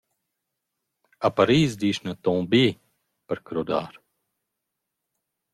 A Paris dischna tomber per crodar.